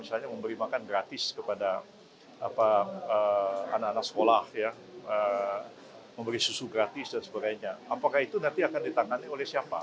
anak anak sekolah memberi susu gratis dan sebagainya apakah itu nanti akan ditangani oleh siapa